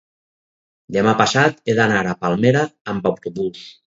Demà passat he d'anar a Palmera amb autobús.